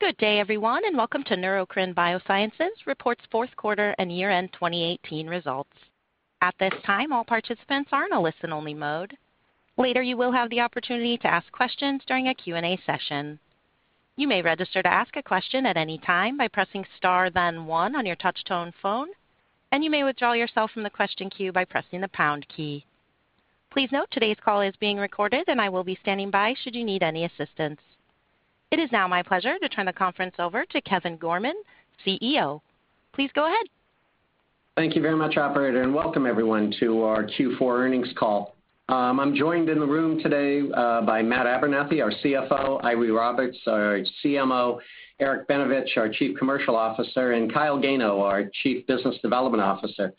Good day, everyone, and welcome to Neurocrine Biosciences reports Q4 and year-end 2018 results. At this time, all participants are in a listen-only mode. Later, you will have the opportunity to ask questions during a Q&A session. You may register to ask a question at any time by pressing star then one on your touch-tone phone, and you may withdraw yourself from the question queue by pressing the pound key. Please note, today's call is being recorded, and I will be standing by should you need any assistance. It is now my pleasure to turn the conference over to Kevin Gorman, CEO. Please go ahead. Thank you very much, operator, welcome everyone to our Q4 earnings call. I'm joined in the room today by Matt Abernethy, our CFO; Eiry Roberts, our CMO; Eric Benevich, our Chief Commercial Officer; and Kyle Gano, our Chief Business Development Officer.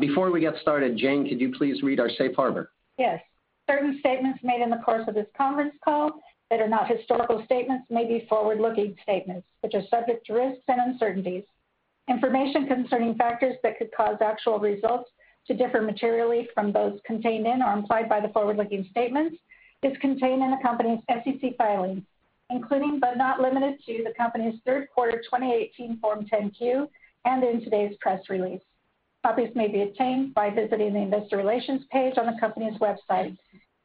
Before we get started, Jane, could you please read our safe harbor? Yes. Certain statements made in the course of this conference call that are not historical statements may be forward-looking statements, which are subject to risks and uncertainties. Information concerning factors that could cause actual results to differ materially from those contained in or implied by the forward-looking statements is contained in the company's SEC filings, including, but not limited to, the company's Q3 2018 Form 10-Q and in today's press release. Copies may be obtained by visiting the investor relations page on the company's website.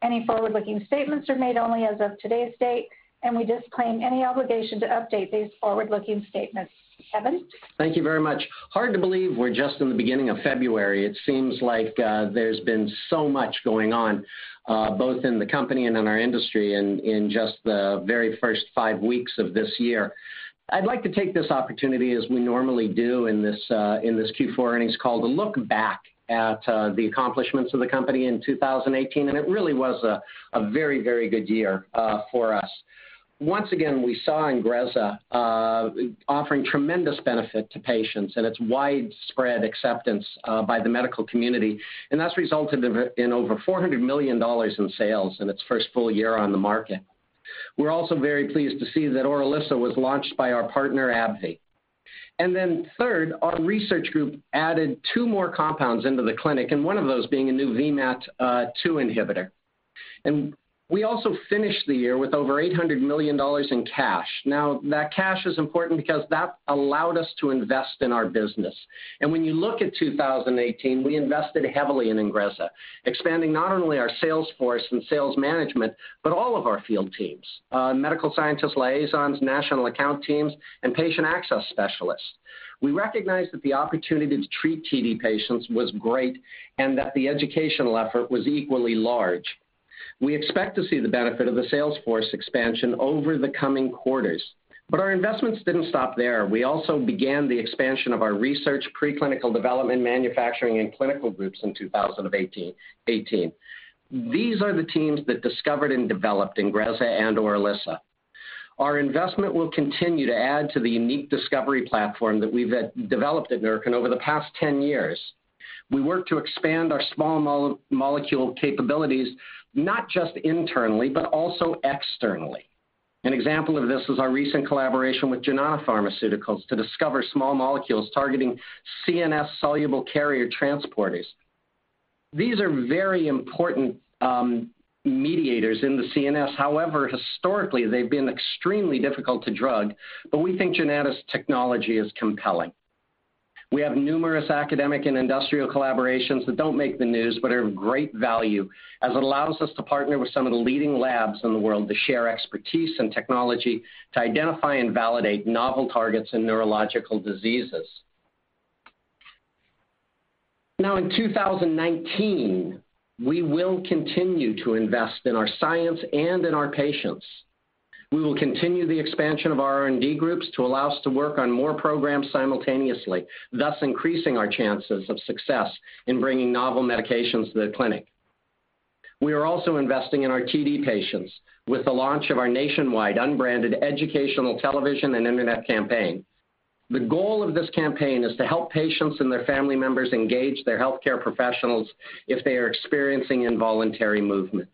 Any forward-looking statements are made only as of today's date, we disclaim any obligation to update these forward-looking statements. Kevin? Thank you very much. Hard to believe we're just in the beginning of February. It seems like there's been so much going on both in the company and in our industry in just the very first five weeks of this year. I'd like to take this opportunity, as we normally do in this Q4 earnings call, to look back at the accomplishments of the company in 2018, it really was a very good year for us. Once again, we saw INGREZZA offering tremendous benefit to patients and its widespread acceptance by the medical community, that's resulted in over $400 million in sales in its first full year on the market. We're also very pleased to see that ORILISSA was launched by our partner, AbbVie. Then third, our research group added two more compounds into the clinic, one of those being a new VMAT2 inhibitor. We also finished the year with over $800 million in cash. That cash is important because that allowed us to invest in our business. When you look at 2018, we invested heavily in INGREZZA, expanding not only our sales force and sales management, but all of our field teams, medical scientist liaisons, national account teams, and patient access specialists. We recognized that the opportunity to treat TD patients was great and that the educational effort was equally large. We expect to see the benefit of the sales force expansion over the coming quarters. Our investments didn't stop there. We also began the expansion of our research, preclinical development, manufacturing, and clinical groups in 2018. These are the teams that discovered and developed INGREZZA and ORILISSA. Our investment will continue to add to the unique discovery platform that we've developed at Neurocrine over the past 10 years. We work to expand our small molecule capabilities, not just internally, but also externally. An example of this is our recent collaboration with Zennova Pharmaceuticals to discover small molecules targeting CNS solute carrier transporters. These are very important mediators in the CNS. Historically, they've been extremely difficult to drug, we think Jannova's technology is compelling. We have numerous academic and industrial collaborations that don't make the news, but are of great value as it allows us to partner with some of the leading labs in the world to share expertise and technology to identify and validate novel targets in neurological diseases. In 2019, we will continue to invest in our science and in our patients. We will continue the expansion of our R&D groups to allow us to work on more programs simultaneously, thus increasing our chances of success in bringing novel medications to the clinic. We are also investing in our TD patients with the launch of our nationwide unbranded educational television and internet campaign. The goal of this campaign is to help patients and their family members engage their healthcare professionals if they are experiencing involuntary movements.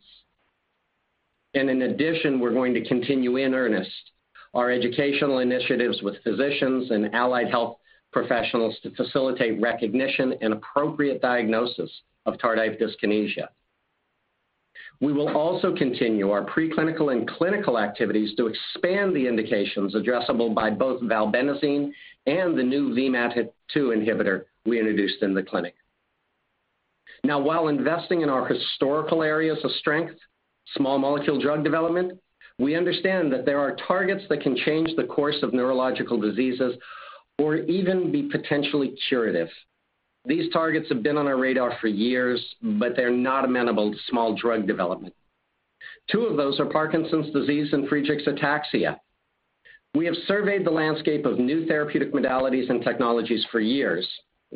In addition, we're going to continue in earnest our educational initiatives with physicians and allied health professionals to facilitate recognition and appropriate diagnosis of tardive dyskinesia. We will also continue our preclinical and clinical activities to expand the indications addressable by both valbenazine and the new VMAT2 inhibitor we introduced in the clinic. While investing in our historical areas of strength, small molecule drug development, we understand that there are targets that can change the course of neurological diseases or even be potentially curative. These targets have been on our radar for years, they're not amenable to small drug development. Two of those are Parkinson's disease and Friedreich's ataxia. We have surveyed the landscape of new therapeutic modalities and technologies for years,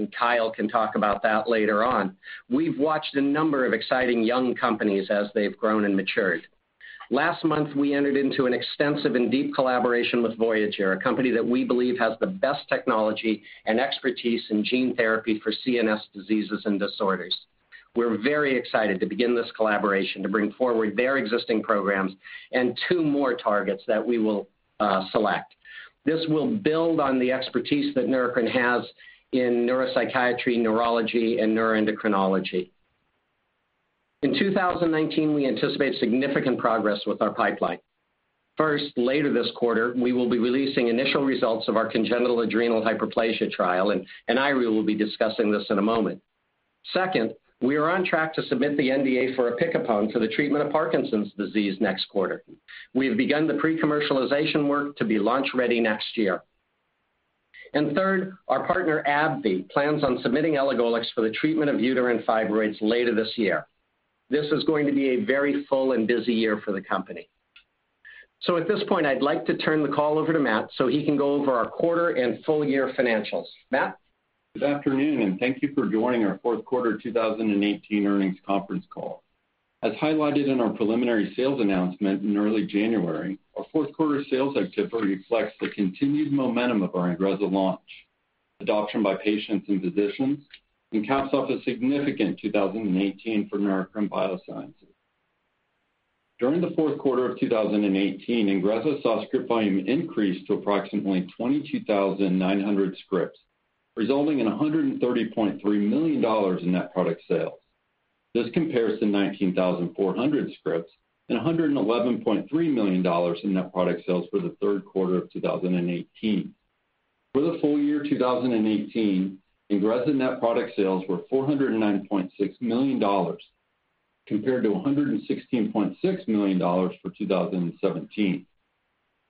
Kyle can talk about that later on. We've watched a number of exciting young companies as they've grown and matured. Last month, we entered into an extensive and deep collaboration with Voyager, a company that we believe has the best technology and expertise in gene therapy for CNS diseases and disorders. We're very excited to begin this collaboration to bring forward their existing programs and two more targets that we will select. This will build on the expertise that Neurocrine has in neuropsychiatry, neurology, and neuroendocrinology. In 2019, we anticipate significant progress with our pipeline. First, later this quarter, we will be releasing initial results of our congenital adrenal hyperplasia trial, Eiry will be discussing this in a moment. Second, we are on track to submit the NDA for opicapone for the treatment of Parkinson's disease next quarter. We have begun the pre-commercialization work to be launch-ready next year. Third, our partner, AbbVie, plans on submitting elagolix for the treatment of uterine fibroids later this year. This is going to be a very full and busy year for the company. At this point, I'd like to turn the call over to Matt so he can go over our quarter and full-year financials. Matt? Good afternoon, thank you for joining our Q4 2018 earnings conference call. As highlighted in our preliminary sales announcement in early January, our Q4 sales activity reflects the continued momentum of our INGREZZA launch, adoption by patients and physicians, and caps off a significant 2018 for Neurocrine Biosciences. During the Q4 of 2018, INGREZZA saw script volume increase to approximately 22,900 scripts, resulting in $130.3 million in net product sales. This compares to 19,400 scripts and $111.3 million in net product sales for the Q3 of 2018. For the full year 2018, INGREZZA net product sales were $409.6 million compared to $116.6 million for 2017.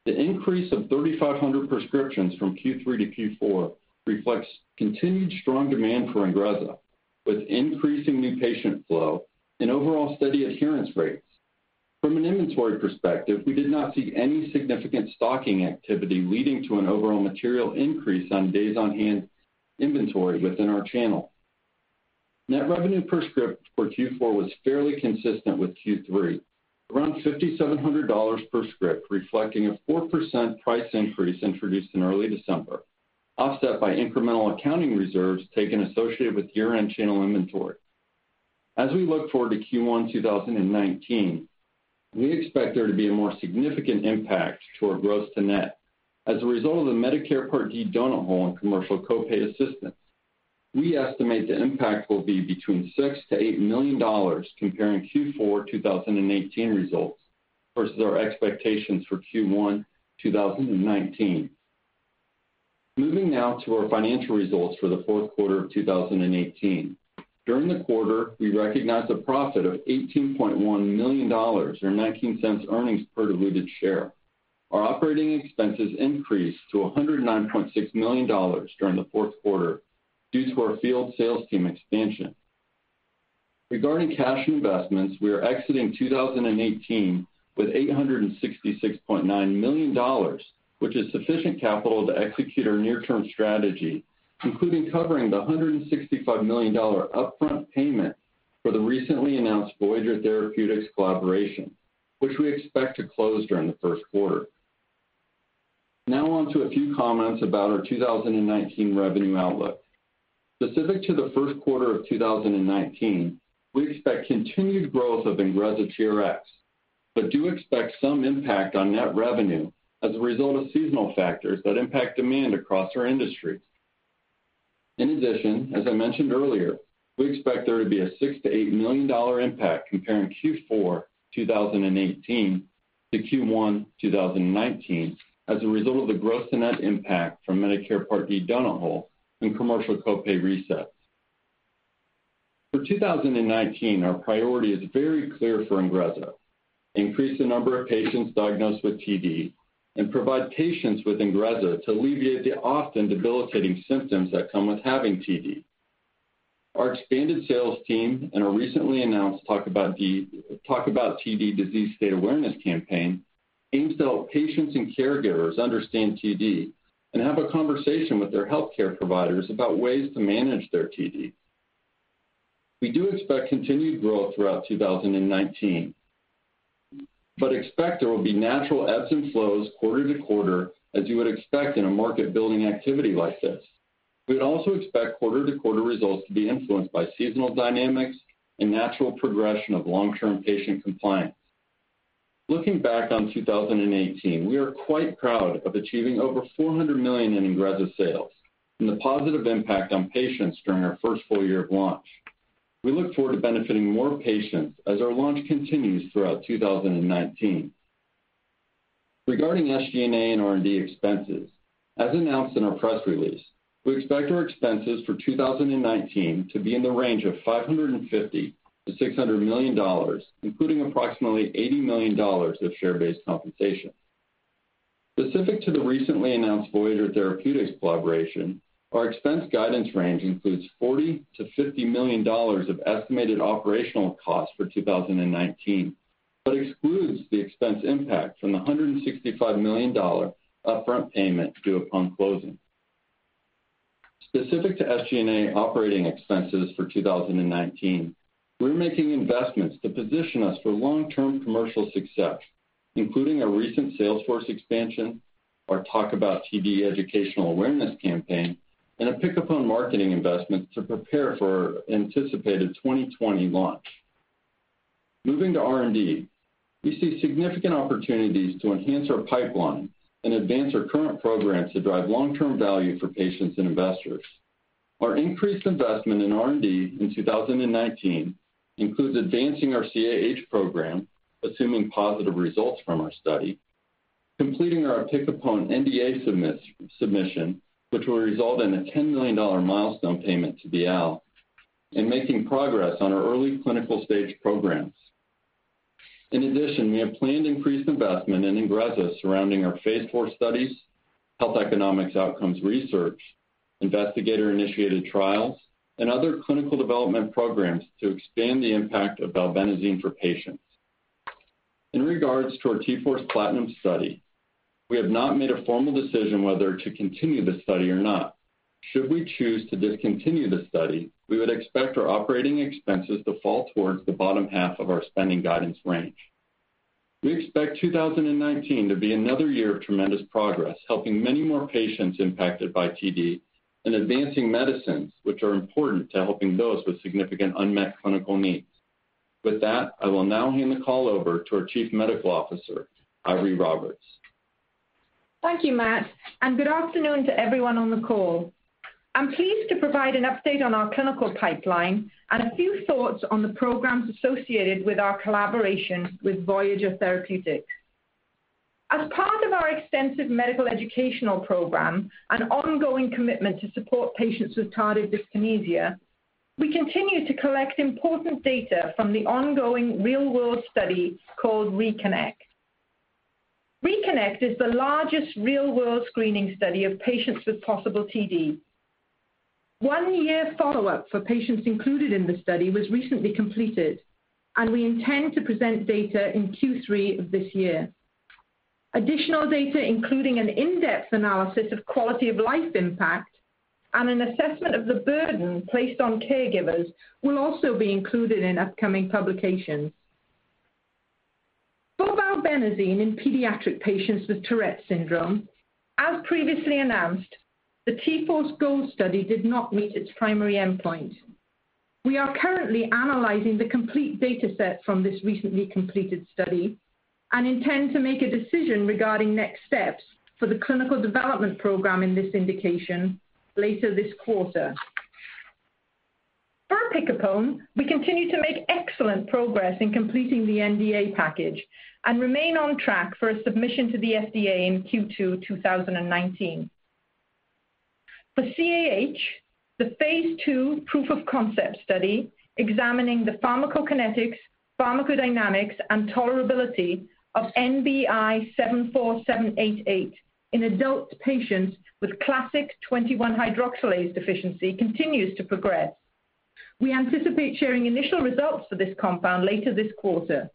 The increase of 3,500 prescriptions from Q3 to Q4 reflects continued strong demand for INGREZZA, with increasing new patient flow and overall steady adherence rates. From an inventory perspective, we did not see any significant stocking activity leading to an overall material increase on days on hand inventory within our channel. Net revenue per script for Q4 was fairly consistent with Q3, around $5,700 per script, reflecting a 4% price increase introduced in early December, offset by incremental accounting reserves taken associated with year-end channel inventory. As we look forward to Q1 2019, we expect there to be a more significant impact to our gross to net as a result of the Medicare Part D donut hole and commercial co-pay assistance. We estimate the impact will be between $6 million-$8 million comparing Q4 2018 results versus our expectations for Q1 2019. Moving now to our financial results for the Q4 of 2018. During the quarter, we recognized a profit of $18.1 million, or $0.19 earnings per diluted share. Our operating expenses increased to $109.6 million during the Q4 due to our field sales team expansion. Regarding cash investments, we are exiting 2018 with $866.9 million, which is sufficient capital to execute our near-term strategy, including covering the $165 million upfront payment for the recently announced Voyager Therapeutics collaboration, which we expect to close during the Q1. On to a few comments about our 2019 revenue outlook. Specific to the Q1 of 2019, we expect continued growth of INGREZZA TRX, do expect some impact on net revenue as a result of seasonal factors that impact demand across our industry. In addition, as I mentioned earlier, we expect there to be a $6 million-$8 million impact comparing Q4 2018 to Q1 2019 as a result of the gross to net impact from Medicare Part D donut hole and commercial co-pay resets. For 2019, our priority is very clear for INGREZZA: Increase the number of patients diagnosed with TD and provide patients with INGREZZA to alleviate the often debilitating symptoms that come with having TD. Our expanded sales team and our recently announced Talk About TD disease state awareness campaign aims to help patients and caregivers understand TD and have a conversation with their healthcare providers about ways to manage their TD. We do expect continued growth throughout 2019, but expect there will be natural ebbs and flows quarter-to-quarter as you would expect in a market-building activity like this. We'd also expect quarter-to-quarter results to be influenced by seasonal dynamics and natural progression of long-term patient compliance. Looking back on 2018, we are quite proud of achieving over $400 million in INGREZZA sales and the positive impact on patients during our first full year of launch. We look forward to benefiting more patients as our launch continues throughout 2019. Regarding SG&A and R&D expenses, as announced in our press release, we expect our expenses for 2019 to be in the range of $550 million-$600 million, including approximately $80 million of share-based compensation. Specific to the recently announced Voyager Therapeutics collaboration, our expense guidance range includes $40 million-$50 million of estimated operational costs for 2019, but excludes the expense impact from the $165 million upfront payment due upon closing. Specific to SG&A operating expenses for 2019, we're making investments to position us for long-term commercial success, including a recent salesforce expansion, our Talk About TD educational awareness campaign, and opicapone marketing investments to prepare for our anticipated 2020 launch. Moving to R&D. We see significant opportunities to enhance our pipeline and advance our current programs to drive long-term value for patients and investors. Our increased investment in R&D in 2019 includes advancing our CAH program, assuming positive results from our study, completing our opicapone NDA submission, which will result in a $10 million milestone payment to BIAL, and making progress on our early clinical stage programs. In addition, we have planned increased investment in INGREZZA surrounding our phase IV studies, health economics outcomes research, investigator-initiated trials, and other clinical development programs to expand the impact of valbenazine for patients. In regards to our T-Force PLATINUM study, we have not made a formal decision whether to continue the study or not. Should we choose to discontinue the study, we would expect our operating expenses to fall towards the bottom half of our spending guidance range. We expect 2019 to be another year of tremendous progress, helping many more patients impacted by TD and advancing medicines which are important to helping those with significant unmet clinical needs. With that, I will now hand the call over to our Chief Medical Officer, Eiry Roberts. Thank you, Matt, and good afternoon to everyone on the call. I am pleased to provide an update on our clinical pipeline and a few thoughts on the programs associated with our collaboration with Voyager Therapeutics. As part of our extensive medical educational program and ongoing commitment to support patients with tardive dyskinesia, we continue to collect important data from the ongoing real-world study called RECONNECT. RECONNECT is the largest real-world screening study of patients with possible TD. One-year follow-up for patients included in the study was recently completed, and we intend to present data in Q3 of this year. Additional data, including an in-depth analysis of quality of life impact and an assessment of the burden placed on caregivers, will also be included in upcoming publications. For valbenazine in pediatric patients with Tourette syndrome, as previously announced, the T-Force GOLD study did not meet its primary endpoint. We are currently analyzing the complete data set from this recently completed study and intend to make a decision regarding next steps for the clinical development program in this indication later this quarter. For opicapone, we continue to make excellent progress in completing the NDA package and remain on track for a submission to the FDA in Q2 2019. For CAH, the phase II proof of concept study examining the pharmacokinetics, pharmacodynamics, and tolerability of NBI-74788 in adult patients with classic 21-hydroxylase deficiency continues to progress. We anticipate sharing initial results for this compound later this quarter.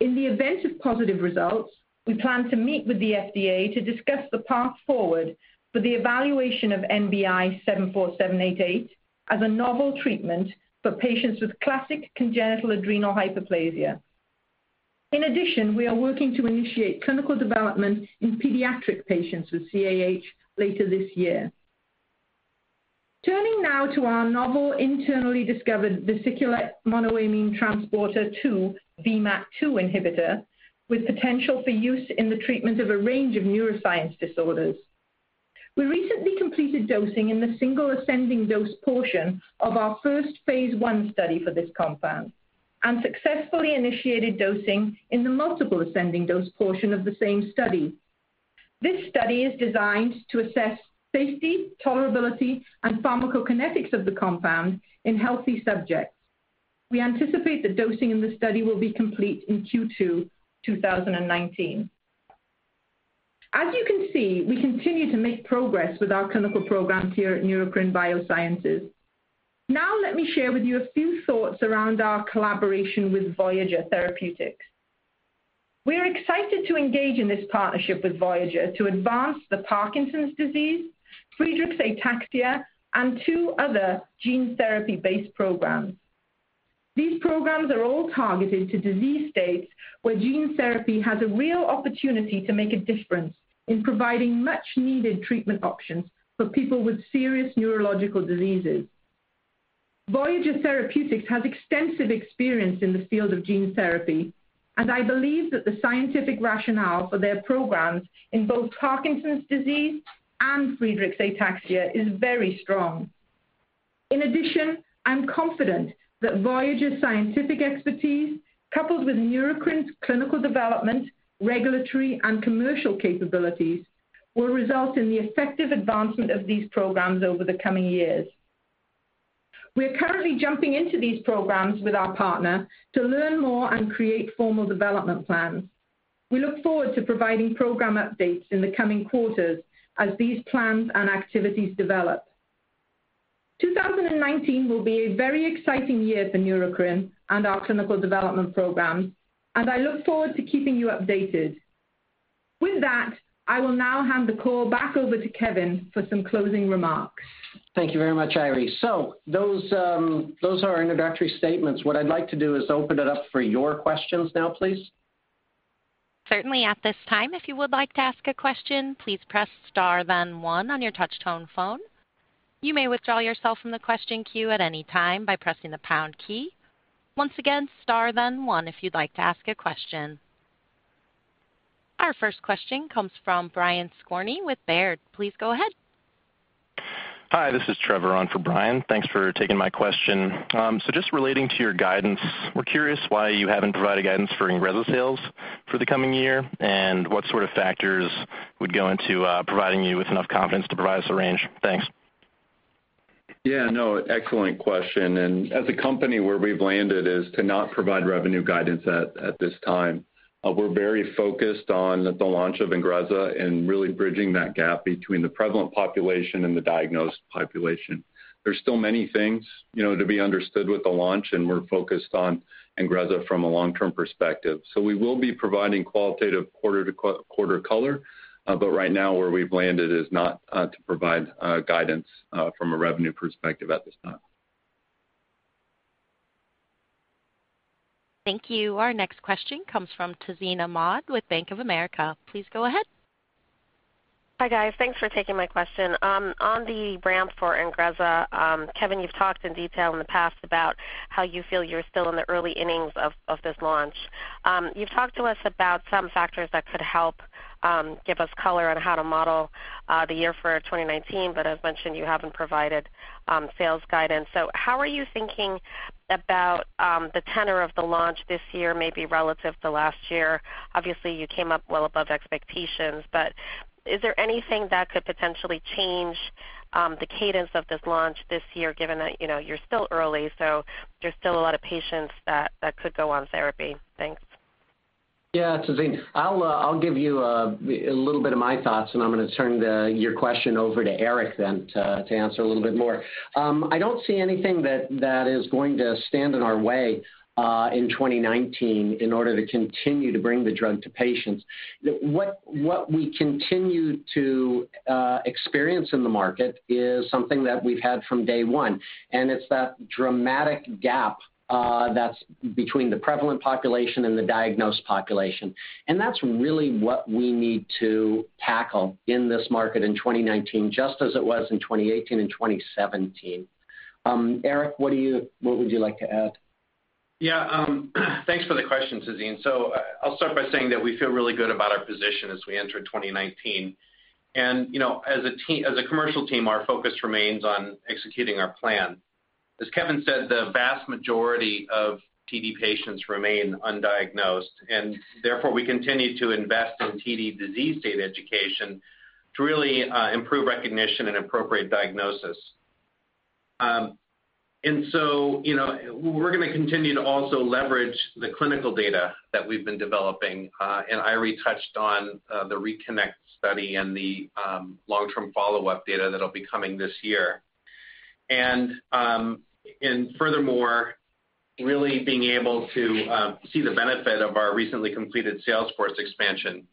In the event of positive results, we plan to meet with the FDA to discuss the path forward for the evaluation of NBI-74788 as a novel treatment for patients with classic congenital adrenal hyperplasia. In addition, we are working to initiate clinical development in pediatric patients with CAH later this year. Turning now to our novel internally discovered vesicular monoamine transporter two, VMAT2 inhibitor, with potential for use in the treatment of a range of neuroscience disorders. We recently completed dosing in the single ascending-dose portion of our first phase I study for this compound and successfully initiated dosing in the multiple ascending-dose portion of the same study. This study is designed to assess safety, tolerability, and pharmacokinetics of the compound in healthy subjects. We anticipate the dosing in the study will be complete in Q2 2019. As you can see, we continue to make progress with our clinical programs here at Neurocrine Biosciences. Now let me share with you a few thoughts around our collaboration with Voyager Therapeutics. We are excited to engage in this partnership with Voyager to advance the Parkinson's disease, Friedreich's ataxia, and two other gene therapy-based programs. These programs are all targeted to disease states where gene therapy has a real opportunity to make a difference in providing much-needed treatment options for people with serious neurological diseases. Voyager Therapeutics has extensive experience in the field of gene therapy, I believe that the scientific rationale for their programs in both Parkinson's disease and Friedreich's ataxia is very strong. In addition, I am confident that Voyager's scientific expertise, coupled with Neurocrine's clinical development, regulatory, and commercial capabilities, will result in the effective advancement of these programs over the coming years. We are currently jumping into these programs with our partner to learn more and create formal development plans. We look forward to providing program updates in the coming quarters as these plans and activities develop. 2019 will be a very exciting year for Neurocrine and our clinical development programs, and I look forward to keeping you updated. With that, I will now hand the call back over to Kevin for some closing remarks. Thank you very much, Eiry. Those are introductory statements. What I'd like to do is open it up for your questions now, please. Certainly. At this time, if you would like to ask a question, please press star then one on your touch-tone phone. You may withdraw yourself from the question queue at any time by pressing the pound key. Once again, star then one if you'd like to ask a question. Our first question comes from Brian Skorney with Baird. Please go ahead. Hi, this is Trevor on for Brian. Thanks for taking my question. Just relating to your guidance, we're curious why you haven't provided guidance for INGREZZA sales for the coming year and what sort of factors would go into providing you with enough confidence to provide us a range. Thanks. Excellent question. As a company, where we've landed is to not provide revenue guidance at this time. We're very focused on the launch of INGREZZA and really bridging that gap between the prevalent population and the diagnosed population. There's still many things to be understood with the launch, and we're focused on INGREZZA from a long-term perspective. We will be providing qualitative quarter-to-quarter color. Right now, where we've landed is not to provide guidance from a revenue perspective at this time. Thank you. Our next question comes from Tazeen Ahmad with Bank of America. Please go ahead. Hi, guys. Thanks for taking my question. On the ramp for INGREZZA, Kevin, you've talked in detail in the past about how you feel you're still in the early innings of this launch. You've talked to us about some factors that could help give us color on how to model the year for 2019, but as mentioned, you haven't provided sales guidance. How are you thinking about the tenor of the launch this year, maybe relative to last year? You came up well above expectations, but is there anything that could potentially change the cadence of this launch this year, given that you're still early, so there's still a lot of patients that could go on therapy. Thanks. Tazeen. I'll give you a little bit of my thoughts, and I'm going to turn your question over to Eric then to answer a little bit more. I don't see anything that is going to stand in our way in 2019 in order to continue to bring the drug to patients. What we continue to experience in the market is something that we've had from day one, and it's that dramatic gap that's between the prevalent population and the diagnosed population. That's really what we need to tackle in this market in 2019, just as it was in 2018 and 2017. Eric, what would you like to add? Yeah. Thanks for the question, Tazeen. I'll start by saying that we feel really good about our position as we enter 2019. As a commercial team, our focus remains on executing our plan. As Kevin said, the vast majority of TD patients remain undiagnosed, therefore, we continue to invest in TD disease state education to really improve recognition and appropriate diagnosis. We're going to continue to also leverage the clinical data that we've been developing, Eiry touched on the RECONNECT study and the long-term follow-up data that'll be coming this year. Furthermore, really being able to see the benefit of our recently completed sales force expansion.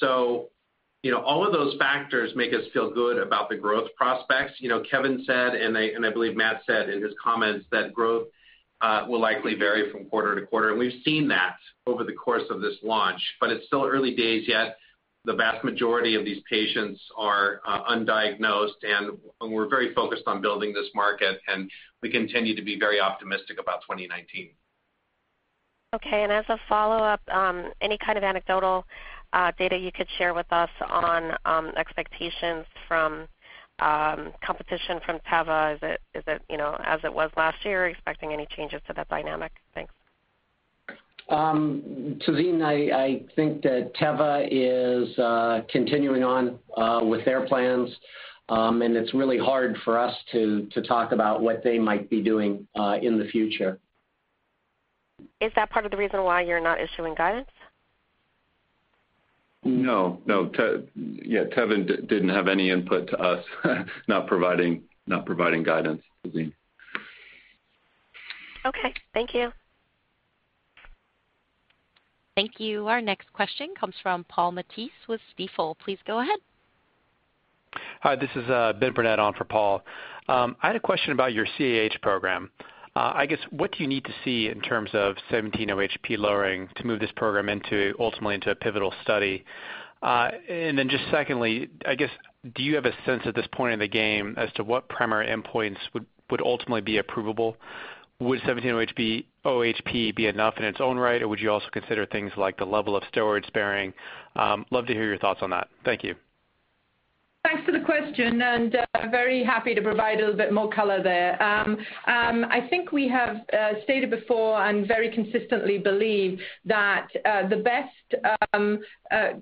All of those factors make us feel good about the growth prospects. Kevin said, and I believe Matt said in his comments, that growth will likely vary from quarter to quarter, and we've seen that over the course of this launch. It's still early days yet. The vast majority of these patients are undiagnosed, and we're very focused on building this market, and we continue to be very optimistic about 2019. Okay, as a follow-up, any kind of anecdotal data you could share with us on expectations from competition from Teva? Is it as it was last year? Expecting any changes to that dynamic? Thanks. Tazeen, I think that Teva is continuing on with their plans. It's really hard for us to talk about what they might be doing in the future. Is that part of the reason why you're not issuing guidance? No. Yeah, Teva didn't have any input to us not providing guidance, Tazeen. Okay. Thank you. Thank you. Our next question comes from Paul Matteis with Stifel. Please go ahead. Hi. This is Benjamin Burnett on for Paul. I had a question about your CAH program. I guess what do you need to see in terms of 17-OHP lowering to move this program ultimately into a pivotal study? Secondly, I guess, do you have a sense at this point in the game as to what primary endpoints would ultimately be approvable? Would 17-OHP be enough in its own right, or would you also consider things like the level of steroid-sparing? Love to hear your thoughts on that. Thank you. Thanks for the question, very happy to provide a little bit more color there. I think we have stated before and very consistently believe that the best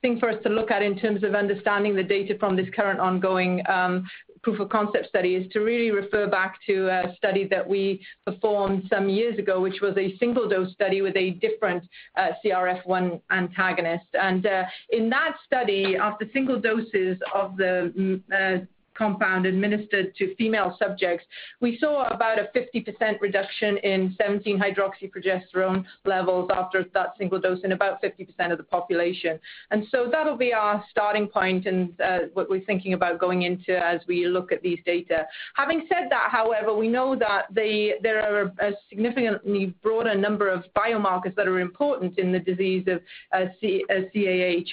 thing for us to look at in terms of understanding the data from this current ongoing, proof of concept study is to really refer back to a study that we performed some years ago, which was a single-dose study with a different CRF1 antagonist. In that study, after single doses of the compound administered to female subjects, we saw about a 50% reduction in 17-hydroxyprogesterone levels after that single dose in about 50% of the population. That'll be our starting point and what we're thinking about going into as we look at these data. Having said that, however, we know that there are a significantly broader number of biomarkers that are important in the disease of CAH.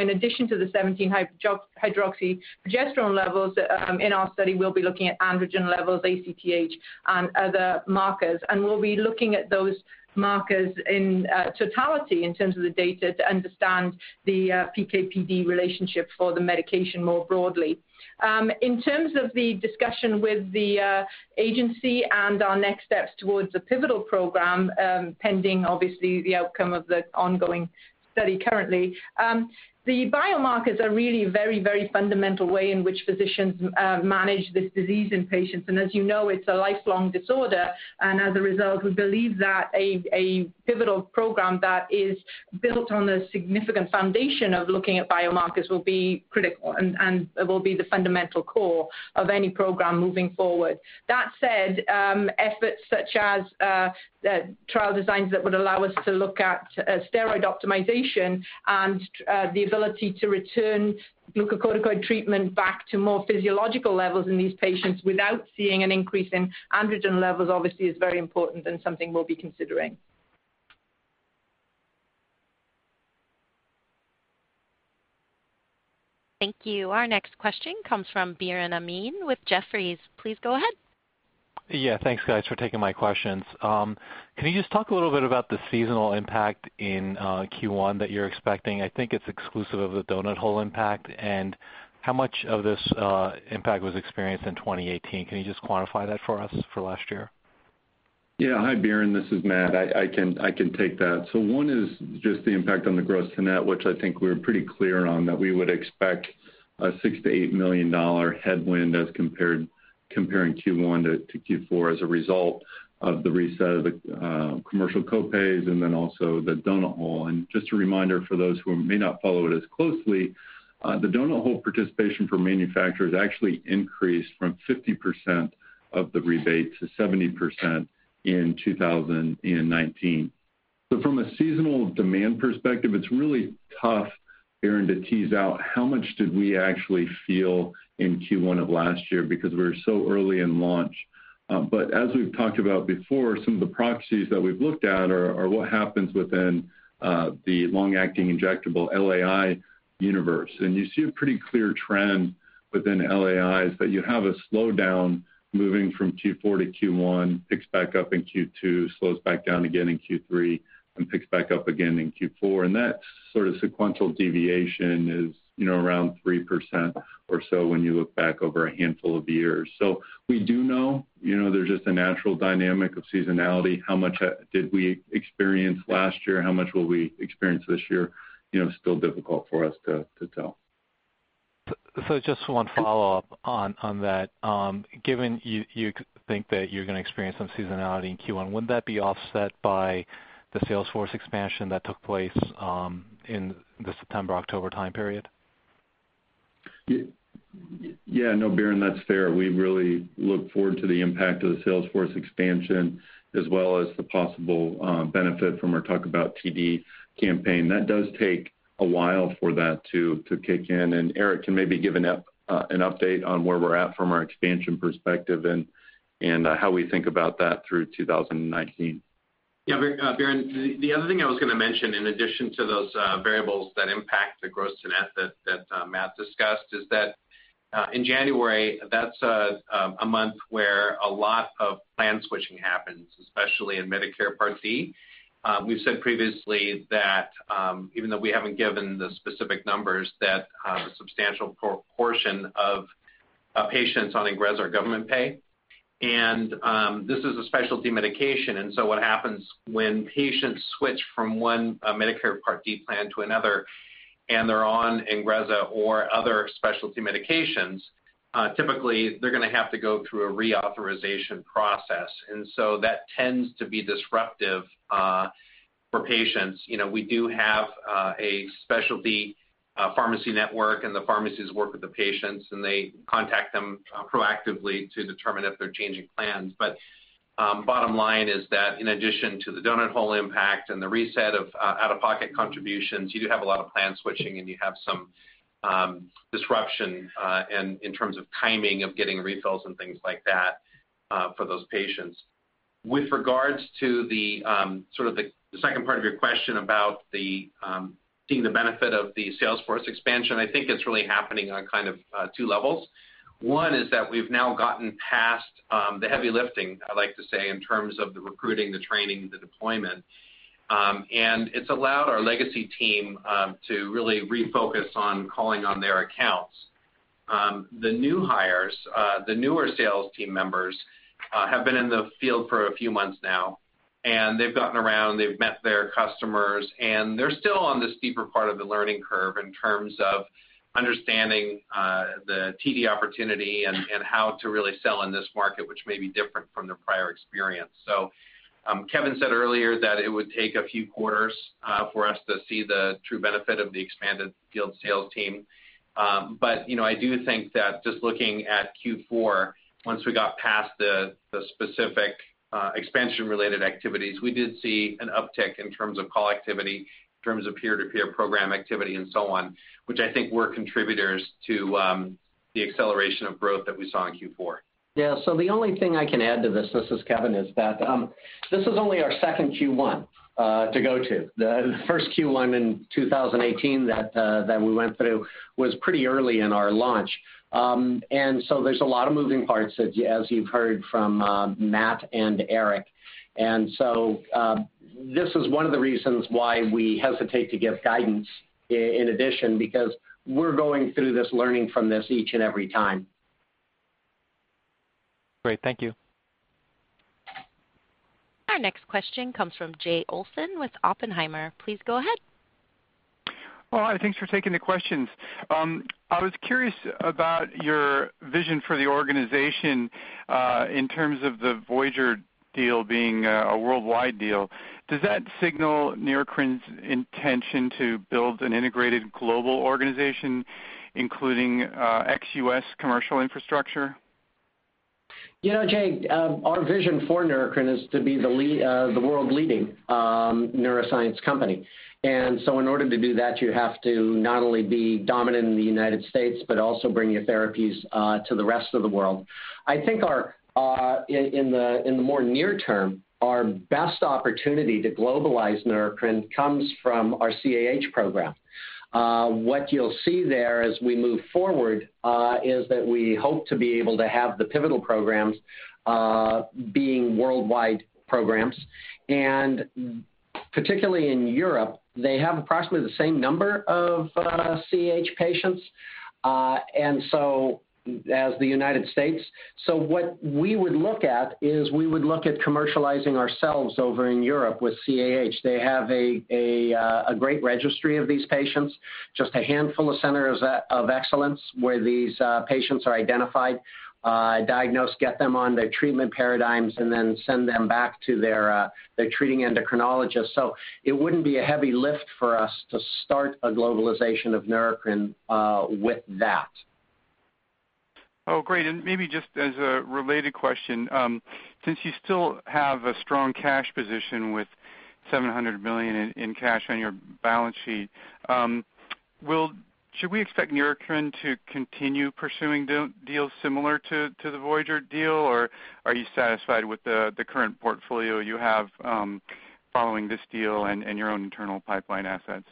In addition to the 17-hydroxyprogesterone levels, in our study, we'll be looking at androgen levels, ACTH, and other markers. We'll be looking at those markers in totality in terms of the data to understand the PK/PD relationship for the medication more broadly. In terms of the discussion with the agency and our next steps towards the pivotal program, pending obviously the outcome of the ongoing study currently. The biomarkers are really very, very fundamental way in which physicians manage this disease in patients. As you know, it's a lifelong disorder. As a result, we believe that a pivotal program that is built on the significant foundation of looking at biomarkers will be critical and will be the fundamental core of any program moving forward. That said, efforts such as trial designs that would allow us to look at steroid optimization and the ability to return glucocorticoid treatment back to more physiological levels in these patients without seeing an increase in androgen levels obviously is very important and something we'll be considering. Thank you. Our next question comes from Biren Amin with Jefferies. Please go ahead. Yeah. Thanks, guys, for taking my questions. Can you just talk a little bit about the seasonal impact in Q1 that you're expecting? I think it's exclusive of the donut hole impact. How much of this impact was experienced in 2018? Can you just quantify that for us for last year? Yeah. Hi, Biren. This is Matt. I can take that. One is just the impact on the gross to net, which I think we're pretty clear on, that we would expect a $6 million-$8 million headwind as comparing Q1 to Q4 as a result of the reset of the commercial co-pays and also the donut hole. Just a reminder for those who may not follow it as closely, the donut hole participation for manufacturers actually increased from 50% of the rebate to 70% in 2019. From a seasonal demand perspective, it's really tough, Biren, to tease out how much did we actually feel in Q1 of last year because we were so early in launch. As we've talked about before, some of the proxies that we've looked at are what happens within the long-acting injectable, LAI, universe. You see a pretty clear trend within LAIs that you have a slowdown moving from Q4 to Q1, picks back up in Q2, slows back down again in Q3, and picks back up again in Q4. That sort of sequential deviation is around 3% or so when you look back over a handful of years. We do know there's just a natural dynamic of seasonality. How much did we experience last year? How much will we experience this year? Still difficult for us to tell. Just one follow-up on that. Given you think that you're going to experience some seasonality in Q1, wouldn't that be offset by the sales force expansion that took place in the September-October time period? Yeah, no, Biren, that's fair. We really look forward to the impact of the sales force expansion as well as the possible benefit from our Talk About TD campaign. That does take a while for that to kick in. Eric can maybe give an update on where we're at from our expansion perspective and how we think about that through 2019. Yeah, Biren. The other thing I was going to mention in addition to those variables that impact the gross to net that Matt discussed is that, in January, that's a month where a lot of plan switching happens, especially in Medicare Part D. We've said previously that, even though we haven't given the specific numbers, that a substantial proportion of patients on INGREZZA are government pay. This is a specialty medication, what happens when patients switch from one Medicare Part D plan to another and they're on INGREZZA or other specialty medications, typically they're going to have to go through a reauthorization process. That tends to be disruptive for patients. We do have a specialty pharmacy network, and the pharmacies work with the patients, and they contact them proactively to determine if they're changing plans. Bottom line is that in addition to the donut hole impact and the reset of out-of-pocket contributions, you do have a lot of plan switching, and you have some disruption in terms of timing of getting refills and things like that for those patients. With regards to the second part of your question about seeing the benefit of the sales force expansion, I think it's really happening on kind of two levels. One is that we've now gotten past the heavy lifting, I like to say, in terms of the recruiting, the training, the deployment. It's allowed our legacy team to really refocus on calling on their accounts. The new hires, the newer sales team members have been in the field for a few months now, they've gotten around, they've met their customers, and they're still on the steeper part of the learning curve in terms of understanding the TD opportunity and how to really sell in this market, which may be different from their prior experience. Kevin said earlier that it would take a few quarters for us to see the true benefit of the expanded field sales team. I do think that just looking at Q4, once we got past the specific expansion-related activities, we did see an uptick in terms of call activity, in terms of peer-to-peer program activity, and so on, which I think were contributors to the acceleration of growth that we saw in Q4. Yeah. The only thing I can add to this is Kevin, is that this is only our second Q1 to go to. The first Q1 in 2018 that we went through was pretty early in our launch. There's a lot of moving parts, as you've heard from Matt and Eric. This is one of the reasons why we hesitate to give guidance in addition, because we're going through this learning from this each and every time. Great. Thank you. Our next question comes from Jay Olson with Oppenheimer. Please go ahead. Well, hi, thanks for taking the questions. I was curious about your vision for the organization, in terms of the Voyager deal being a worldwide deal. Does that signal Neurocrine's intention to build an integrated global organization, including ex-U.S. commercial infrastructure? Jay, our vision for Neurocrine is to be the world-leading neuroscience company. In order to do that, you have to not only be dominant in the United States, but also bring your therapies to the rest of the world. I think in the more near term, our best opportunity to globalize Neurocrine comes from our CAH program. What you'll see there as we move forward is that we hope to be able to have the pivotal programs being worldwide programs, and particularly in Europe, they have approximately the same number of CAH patients as the United States. What we would look at is we would look at commercializing ourselves over in Europe with CAH. They have a great registry of these patients, just a handful of centers of excellence where these patients are identified, diagnosed, get them on their treatment paradigms, and then send them back to their treating endocrinologist. It wouldn't be a heavy lift for us to start a globalization of Neurocrine with that. Oh, great. Maybe just as a related question, since you still have a strong cash position with $700 million in cash on your balance sheet, should we expect Neurocrine to continue pursuing deals similar to the Voyager deal, or are you satisfied with the current portfolio you have following this deal and your own internal pipeline assets?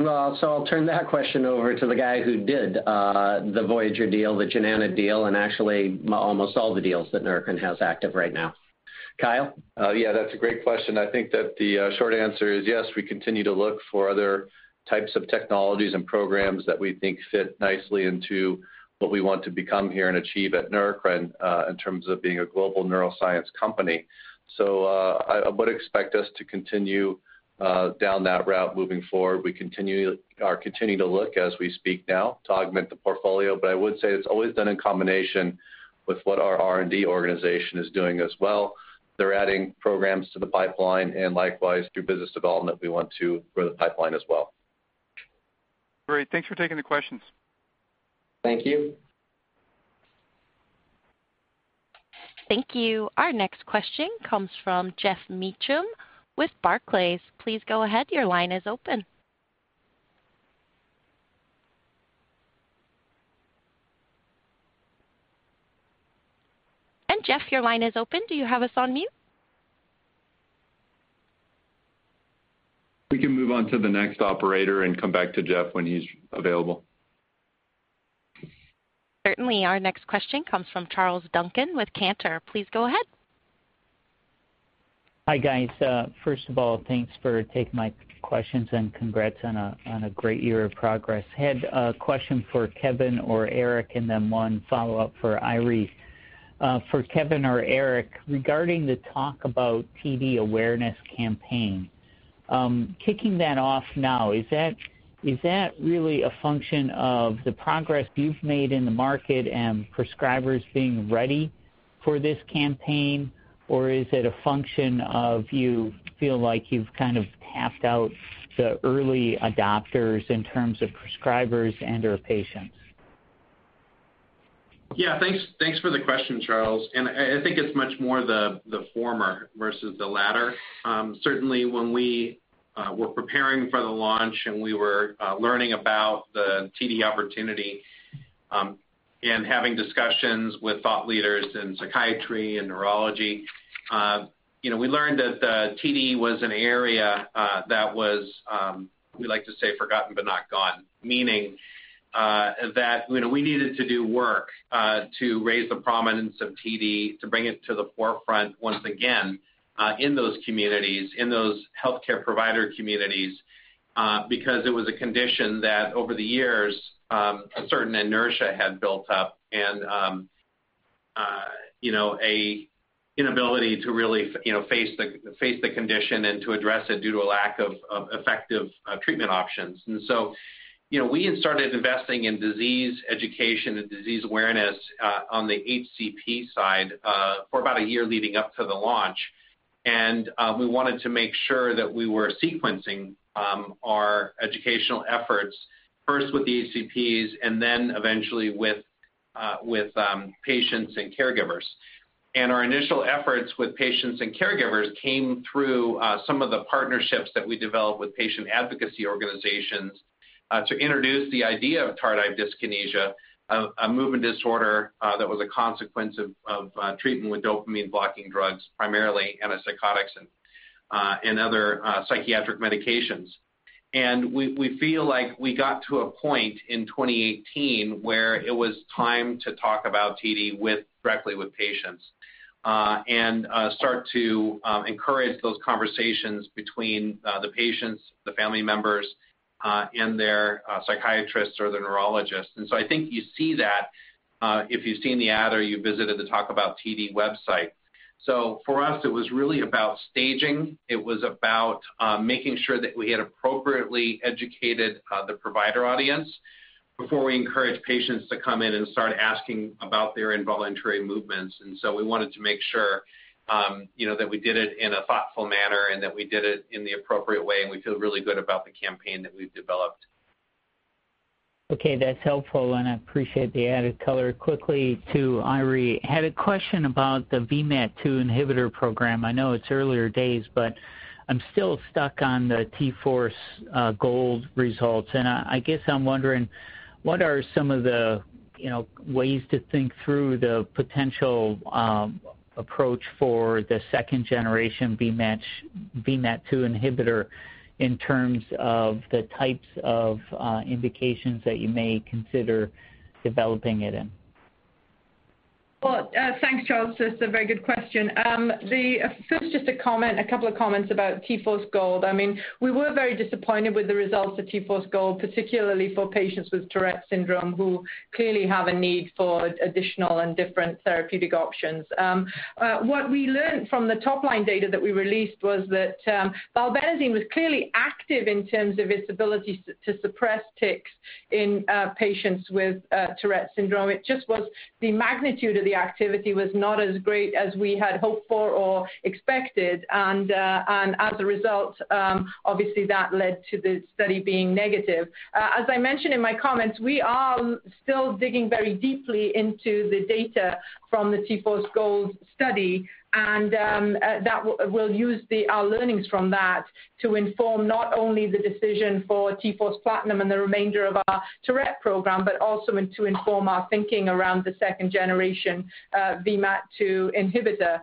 I'll turn that question over to the guy who did the Voyager deal, the Xenoport deal, and actually almost all the deals that Neurocrine has active right now. Kyle? Yeah, that's a great question. I think that the short answer is yes, we continue to look for other types of technologies and programs that we think fit nicely into what we want to become here and achieve at Neurocrine, in terms of being a global neuroscience company. I would expect us to continue down that route moving forward. We are continuing to look as we speak now to augment the portfolio, but I would say it's always done in combination with what our R&D organization is doing as well. They're adding programs to the pipeline, and likewise, through business development, we want to grow the pipeline as well. Great. Thanks for taking the questions. Thank you. Thank you. Our next question comes from Geoff Meacham with Barclays. Please go ahead. Your line is open. Geoff, your line is open. Do you have us on mute? We can move on to the next operator and come back to Geoff when he's available. Certainly. Our next question comes from Charles Duncan with Cantor. Please go ahead. Hi, guys. First of all, thanks for taking my questions, and congrats on a great year of progress. Had a question for Kevin or Eric, and then one follow-up for Eiry. For Kevin or Eric, regarding the Talk About TD awareness campaign. Kicking that off now, is that really a function of the progress you've made in the market and prescribers being ready for this campaign, or is it a function of you feel like you've kind of tapped out the early adopters in terms of prescribers and/or patients? Yeah. Thanks for the question, Charles, I think it's much more the former versus the latter. Certainly when we were preparing for the launch and we were learning about the TD opportunity, and having discussions with thought leaders in psychiatry and neurology. We learned that TD was an area that was, we like to say forgotten but not gone, meaning that we needed to do work to raise the prominence of TD, to bring it to the forefront once again in those communities, in those healthcare provider communities, because it was a condition that over the years, a certain inertia had built up and an inability to really face the condition and to address it due to a lack of effective treatment options. We had started investing in disease education and disease awareness on the HCP side for about a year leading up to the launch. We wanted to make sure that we were sequencing our educational efforts first with the HCPs and then eventually with patients and caregivers. Our initial efforts with patients and caregivers came through some of the partnerships that we developed with patient advocacy organizations to introduce the idea of tardive dyskinesia, a movement disorder that was a consequence of treatment with dopamine-blocking drugs, primarily antipsychotics and other psychiatric medications. We feel like we got to a point in 2018 where it was time to talk about TD directly with patients. Start to encourage those conversations between the patients, the family members, and their psychiatrists or their neurologists. I think you see that if you've seen the ad or you visited the Talk About TD website. For us, it was really about staging. It was about making sure that we had appropriately educated the provider audience before we encouraged patients to come in and start asking about their involuntary movements. We wanted to make sure that we did it in a thoughtful manner and that we did it in the appropriate way, and we feel really good about the campaign that we've developed. Okay. That's helpful, and I appreciate the added color. Quickly to Eiry. Had a question about the VMAT2 inhibitor program. I know it's earlier days, but I'm still stuck on the T-Force GOLD results, and I guess I'm wondering, what are some of the ways to think through the potential approach for the second-generation VMAT2 inhibitor in terms of the types of indications that you may consider developing it in? Thanks, Charles. That's a very good question. First, just a couple of comments about T-Force GOLD. We were very disappointed with the results of T-Force GOLD, particularly for patients with Tourette syndrome, who clearly have a need for additional and different therapeutic options. What we learned from the top-line data that we released was that valbenazine was clearly active in terms of its ability to suppress tics in patients with Tourette syndrome. It just was the magnitude of the activity was not as great as we had hoped for or expected. As a result, obviously, that led to the study being negative. As I mentioned in my comments, we are still digging very deeply into the data from the T-Force GOLD study, and we'll use our learnings from that to inform not only the decision for T-Force PLATINUM and the remainder of our Tourette program, but also to inform our thinking around the second generation VMAT2 inhibitor.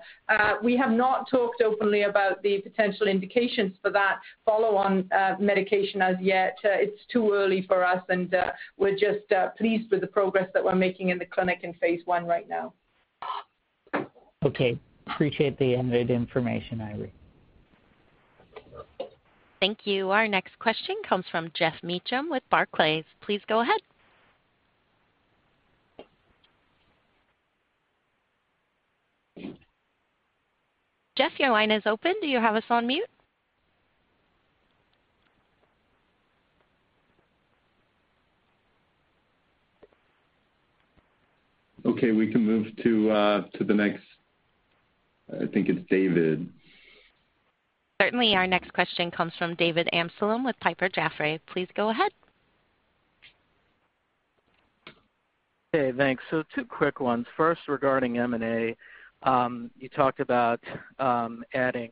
We have not talked openly about the potential indications for that follow-on medication as yet. It's too early for us, and we're just pleased with the progress that we're making in the clinic in phase I right now. Appreciate the added information, Eiry. Thank you. Our next question comes from Geoff Meacham with Barclays. Please go ahead. Geoff, your line is open. Do you have us on mute? Okay, we can move to the next. I think it's David. Certainly. Our next question comes from David Amsellem with Piper Jaffray. Please go ahead. Two quick ones. First, regarding M&A. You talked about adding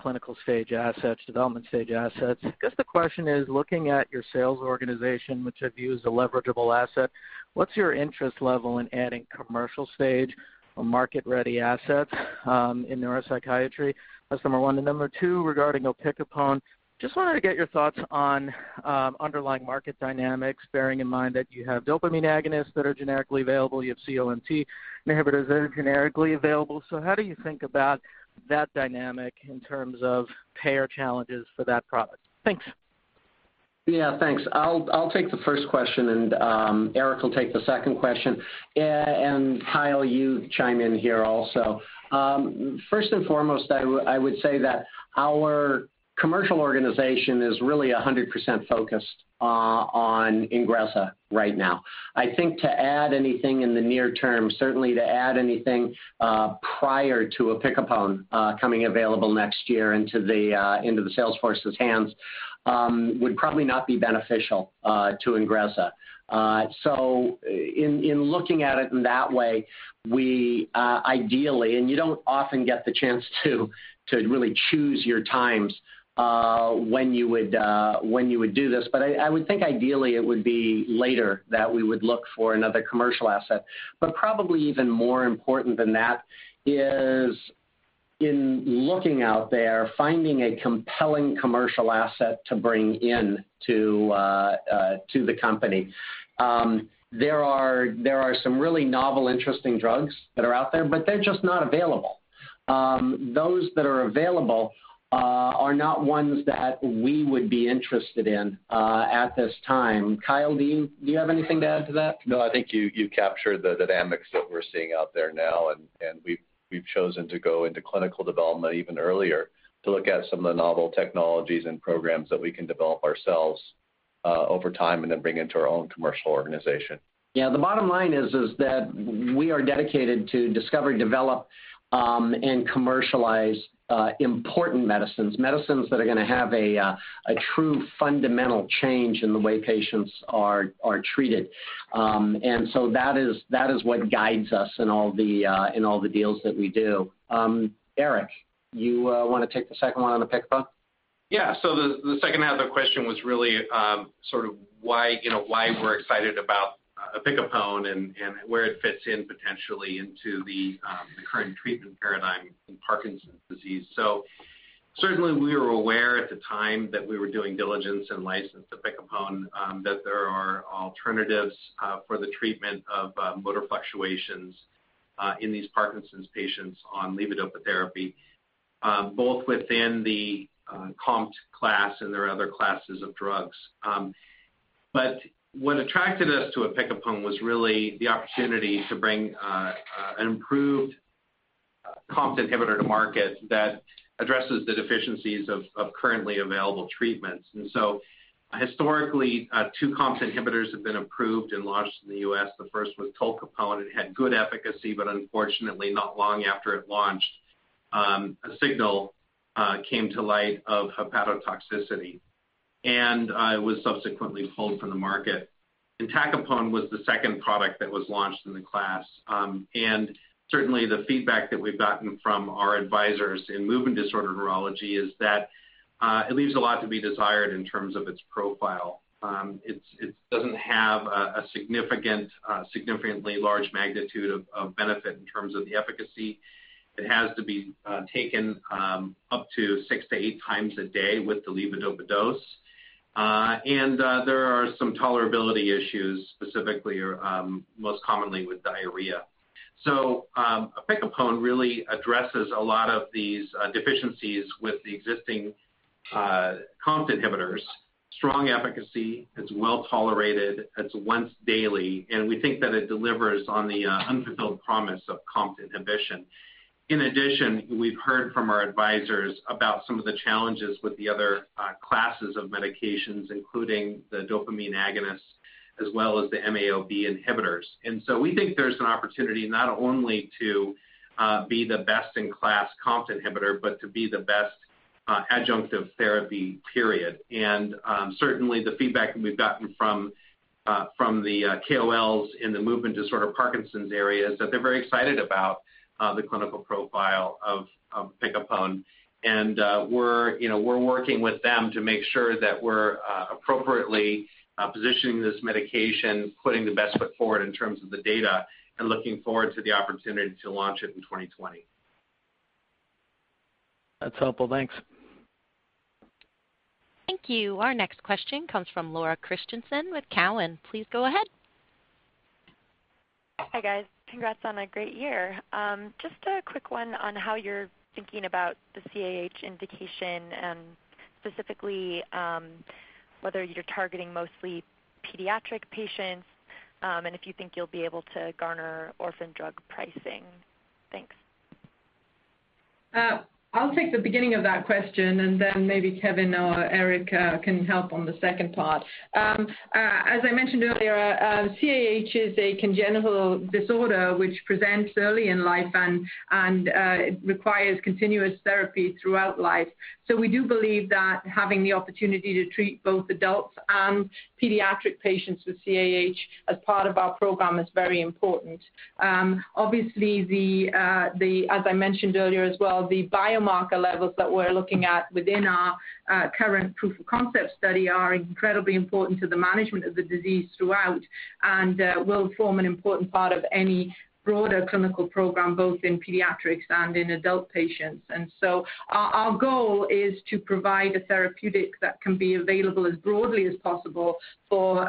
clinical-stage assets, development-stage assets. I guess the question is, looking at your sales organization, which I view as a leverageable asset, what's your interest level in adding commercial-stage or market-ready assets in neuropsychiatry? That's number one. Number two, regarding opicapone, just wanted to get your thoughts on underlying market dynamics, bearing in mind that you have dopamine agonists that are generically available, you have COMT inhibitors that are generically available. How do you think about that dynamic in terms of payer challenges for that product? Thanks. Yeah, thanks. I'll take the first question, and Eric will take the second question. Kyle, you chime in here also. First and foremost, I would say that our commercial organization is really 100% focused on INGREZZA right now. I think to add anything in the near term, certainly to add anything prior to opicapone coming available next year into the sales force's hands would probably not be beneficial to INGREZZA. In looking at it in that way, we ideally, and you don't often get the chance to really choose your times when you would do this, but I would think ideally it would be later that we would look for another commercial asset. Probably even more important than that is in looking out there, finding a compelling commercial asset to bring in to the company. There are some really novel, interesting drugs that are out there, but they're just not available. Those that are available are not ones that we would be interested in at this time. Kyle, do you have anything to add to that? No, I think you captured the dynamics that we're seeing out there now, and we've chosen to go into clinical development even earlier to look at some of the novel technologies and programs that we can develop ourselves over time and then bring into our own commercial organization. Yeah. The bottom line is that we are dedicated to discover, develop, and commercialize important medicines that are going to have a true fundamental change in the way patients are treated. That is what guides us in all the deals that we do. Eric, you want to take the second one on opicapone? Yeah. The second half of the question was really why we're excited about opicapone and where it fits in potentially into the current treatment paradigm in Parkinson's disease. Certainly we were aware at the time that we were doing diligence and license opicapone, that there are alternatives for the treatment of motor fluctuations in these Parkinson's patients on levodopa therapy, both within the COMT class and there are other classes of drugs. What attracted us to opicapone was really the opportunity to bring an improved COMT inhibitor to market that addresses the deficiencies of currently available treatments. Historically, two COMT inhibitors have been approved and launched in the U.S. The first was tolcapone. It had good efficacy, but unfortunately not long after it launched, a signal came to light of hepatotoxicity, and it was subsequently pulled from the market. entacapone was the second product that was launched in the class. Certainly the feedback that we've gotten from our advisors in movement disorder neurology is that it leaves a lot to be desired in terms of its profile. It doesn't have a significantly large magnitude of benefit in terms of the efficacy. It has to be taken up to six to eight times a day with the levodopa dose. There are some tolerability issues, specifically or most commonly with diarrhea. opicapone really addresses a lot of these deficiencies with the existing COMT inhibitors. Strong efficacy. It's well-tolerated. It's once daily. We think that it delivers on the unfulfilled promise of COMT inhibition. In addition, we've heard from our advisors about some of the challenges with the other classes of medications, including the dopamine agonists as well as the MAO-B inhibitors. We think there's an opportunity not only to be the best-in-class COMT inhibitor, but to be the best adjunctive therapy, period. Certainly the feedback that we've gotten from the KOLs in the movement disorder Parkinson's area is that they're very excited about the clinical profile of opicapone. We're working with them to make sure that we're appropriately positioning this medication, putting the best foot forward in terms of the data, and looking forward to the opportunity to launch it in 2020. That's helpful. Thanks. Thank you. Our next question comes from Laura Christianson with Cowen. Please go ahead. Hi, guys. Congrats on a great year. Just a quick one on how you're thinking about the CAH indication and specifically whether you're targeting mostly pediatric patients and if you think you'll be able to garner orphan drug pricing. Thanks. I'll take the beginning of that question and then maybe Kevin or Eric can help on the second part. As I mentioned earlier, CAH is a congenital disorder which presents early in life and requires continuous therapy throughout life. We do believe that having the opportunity to treat both adults and pediatric patients with CAH as part of our program is very important. Obviously, as I mentioned earlier as well, the biomarker levels that we're looking at within our current proof of concept study are incredibly important to the management of the disease throughout and will form an important part of any broader clinical program, both in pediatrics and in adult patients. Our goal is to provide a therapeutic that can be available as broadly as possible for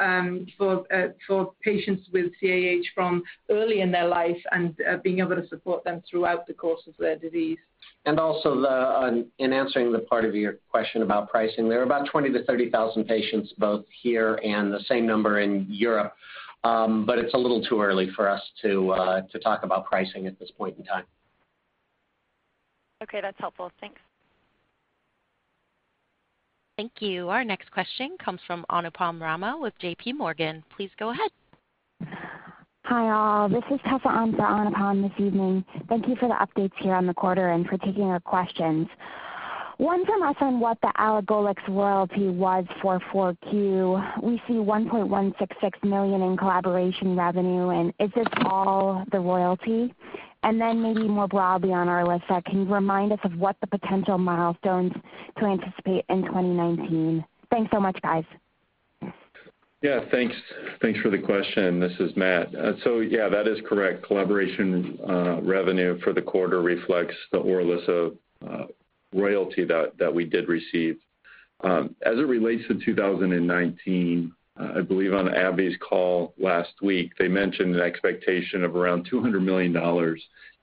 patients with CAH from early in their life and being able to support them throughout the course of their disease. In answering the part of your question about pricing, there are about 20,000 to 30,000 patients both here and the same number in Europe. It's a little too early for us to talk about pricing at this point in time. Okay, that's helpful. Thanks. Thank you. Our next question comes from Anupam Rama with JPMorgan. Please go ahead. Hi, all. This is Anupam Rama this evening. Thank you for the updates here on the quarter and for taking our questions. One for Matt on what the elagolix royalty was for 4Q. We see $1.166 million in collaboration revenue, is this all the royalty? Then maybe more broadly on ORILISSA, can you remind us of what the potential milestones to anticipate in 2019? Thanks so much, guys. Yeah. Thanks for the question. This is Matt. That is correct. Collaboration revenue for the quarter reflects the ORILISSA royalty that we did receive. As it relates to 2019, I believe on AbbVie's call last week, they mentioned an expectation of around $200 million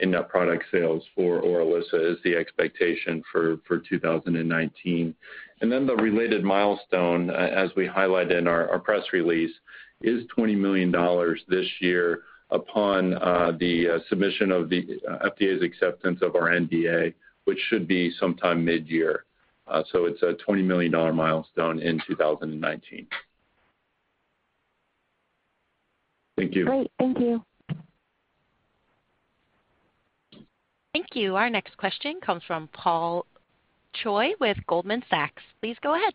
in net product sales for ORILISSA is the expectation for 2019. The related milestone, as we highlighted in our press release, is $20 million this year upon the submission of the FDA's acceptance of our NDA, which should be sometime mid-year. It's a $20 million milestone in 2019. Thank you. Great. Thank you. Thank you. Our next question comes from Paul Choi with Goldman Sachs. Please go ahead.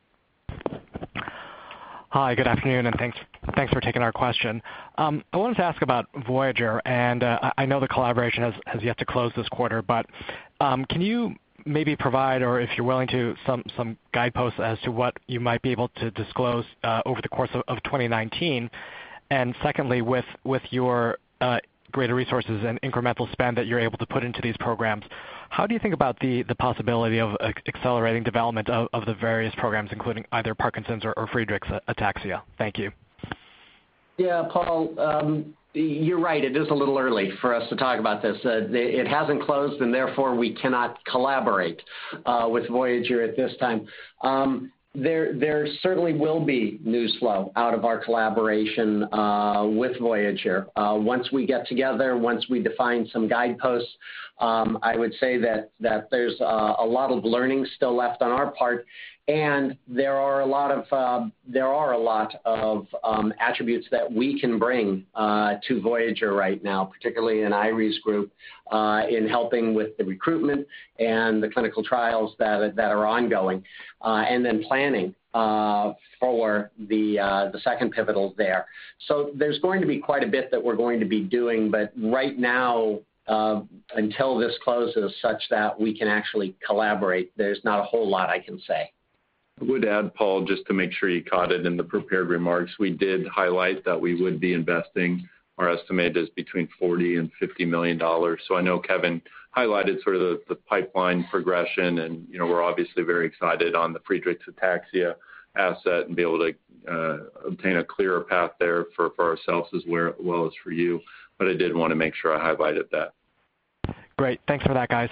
Hi, good afternoon, and thanks for taking our question. I wanted to ask about Voyager. I know the collaboration has yet to close this quarter, can you maybe provide, or if you're willing to, some guideposts as to what you might be able to disclose over the course of 2019? Secondly, with your greater resources and incremental spend that you're able to put into these programs, how do you think about the possibility of accelerating development of the various programs, including either Parkinson's or Friedreich's ataxia? Thank you. Yeah, Paul, you're right. It is a little early for us to talk about this. It hasn't closed, therefore, we cannot collaborate with Voyager at this time. There certainly will be news flow out of our collaboration with Voyager. Once we get together, once we define some guideposts, I would say that there's a lot of learning still left on our part, there are a lot of attributes that we can bring to Voyager right now, particularly in Iris' group, in helping with the recruitment and the clinical trials that are ongoing, then planning for the second pivotals there. There's going to be quite a bit that we're going to be doing. Right now, until this closes such that we can actually collaborate, there's not a whole lot I can say. I would add, Paul, just to make sure you caught it in the prepared remarks, we did highlight that we would be investing, our estimate is between $40 million-$50 million. I know Kevin highlighted sort of the pipeline progression, we're obviously very excited on the Friedreich's ataxia asset and be able to obtain a clearer path there for ourselves as well as for you, I did want to make sure I highlighted that. Great. Thanks for that, guys.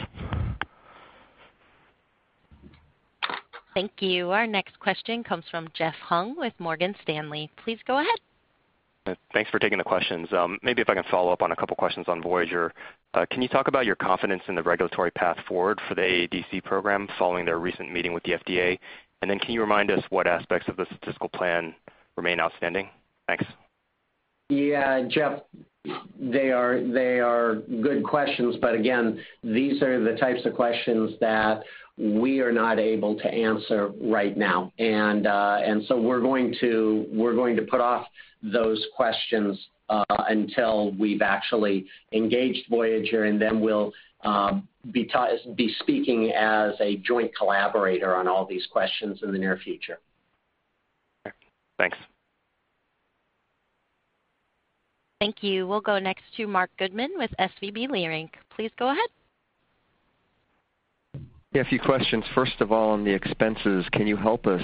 Thank you. Our next question comes from Jeff Hung with Morgan Stanley. Please go ahead. Thanks for taking the questions. Maybe if I can follow up on a couple questions on Voyager. Can you talk about your confidence in the regulatory path forward for the AADC program following their recent meeting with the FDA? Can you remind us what aspects of the statistical plan remain outstanding? Thanks. Jeff, they are good questions. Again, these are the types of questions that we are not able to answer right now. We're going to put off those questions until we've actually engaged Voyager, and then we'll be speaking as a joint collaborator on all these questions in the near future. Okay. Thanks. Thank you. We'll go next to Marc Goodman with SVB Leerink. Please go ahead. Yeah, a few questions. First of all, on the expenses, can you help us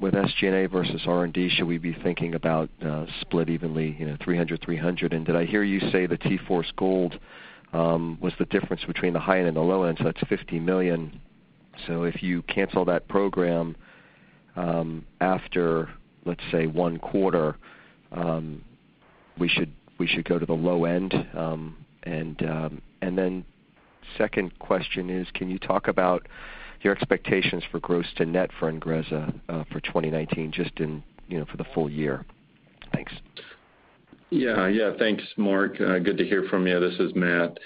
with SG&A versus R&D? Should we be thinking about split evenly, $300, $300? Did I hear you say the T-Force GOLD was the difference between the high end and the low end? That's $50 million. If you cancel that program after, let's say, one quarter, we should go to the low end. Second question is, can you talk about your expectations for gross to net for INGREZZA for 2019 just for the full year? Thanks. Yeah. Thanks, Marc. Good to hear from you. This is Matt.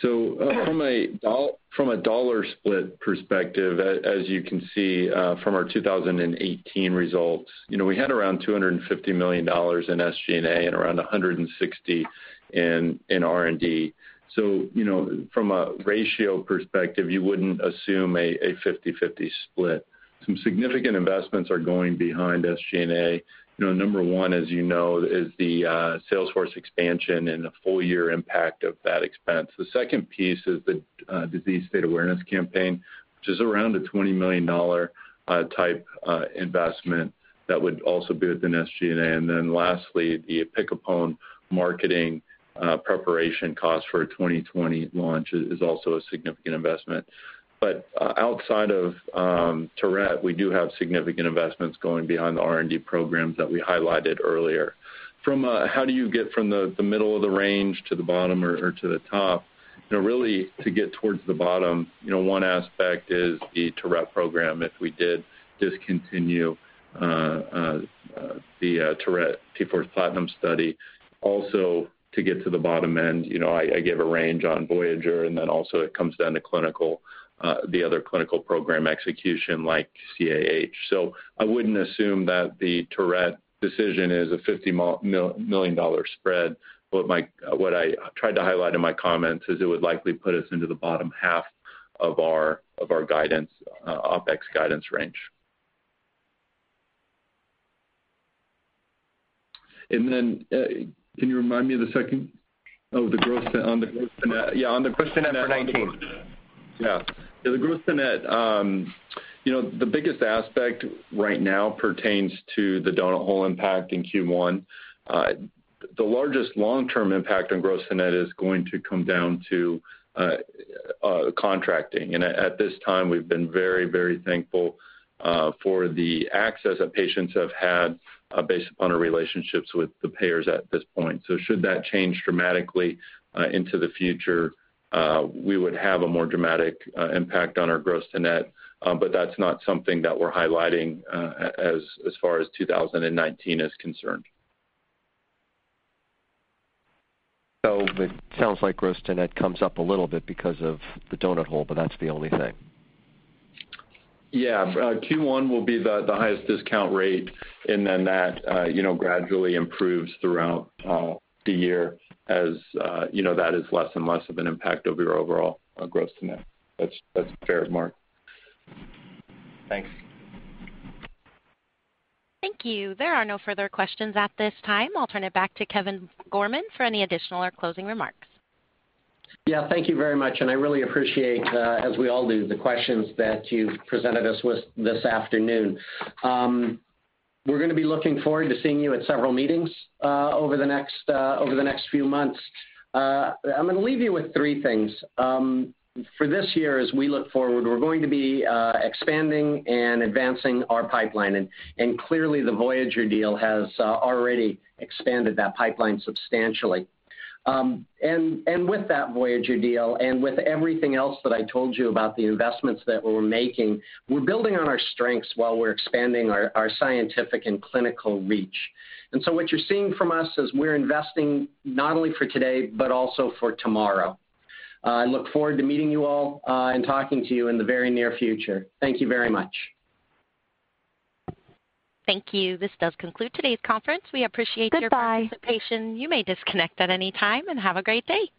From a dollar split perspective, as you can see from our 2018 results, we had around $250 million in SG&A and around $160 in R&D. From a ratio perspective, you wouldn't assume a 50/50 split. Some significant investments are going behind SG&A. Number one, as you know, is the sales force expansion and the full year impact of that expense. The second piece is the disease state awareness campaign, which is around a $20 million type investment that would also be within SG&A. Lastly, the opicapone marketing preparation cost for a 2020 launch is also a significant investment. Outside of Tourette, we do have significant investments going behind the R&D programs that we highlighted earlier. How do you get from the middle of the range to the bottom or to the top? Really to get towards the bottom, one aspect is the Tourette program, if we did discontinue the Tourette T-Force PLATINUM study. Also, to get to the bottom end, I give a range on Voyager, and then also it comes down to the other clinical program execution like CAH. I wouldn't assume that the Tourette decision is a $50 million spread. What I tried to highlight in my comments is it would likely put us into the bottom half of our OpEx guidance range. Can you remind me of the second? Oh, the gross on the gross to net. Yeah, on the gross to net for. Gross to net for 2019. Yeah, the gross to net. The biggest aspect right now pertains to the donut hole impact in Q1. The largest long-term impact on gross to net is going to come down to contracting. At this time, we've been very, very thankful for the access that patients have had based upon our relationships with the payers at this point. Should that change dramatically into the future, we would have a more dramatic impact on our gross to net. That's not something that we're highlighting as far as 2019 is concerned. It sounds like gross to net comes up a little bit because of the donut hole, but that's the only thing. Yeah. Q1 will be the highest discount rate and then that gradually improves throughout the year as that is less and less of an impact over your overall gross to net. That's fair, Marc. Thanks. Thank you. There are no further questions at this time. I'll turn it back to Kevin Gorman for any additional or closing remarks. Thank you very much. I really appreciate, as we all do, the questions that you've presented us with this afternoon. We're going to be looking forward to seeing you at several meetings over the next few months. I'm going to leave you with three things. For this year, as we look forward, we're going to be expanding and advancing our pipeline. Clearly the Voyager deal has already expanded that pipeline substantially. With that Voyager deal and with everything else that I told you about the investments that we're making, we're building on our strengths while we're expanding our scientific and clinical reach. What you're seeing from us is we're investing not only for today but also for tomorrow. I look forward to meeting you all and talking to you in the very near future. Thank you very much. Thank you. This does conclude today's conference. We appreciate your participation. Goodbye. You may disconnect at any time. Have a great day.